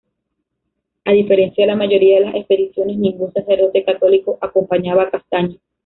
A diferencia de la mayoría de las expediciones, ningún sacerdote católico acompañaba a Castaño.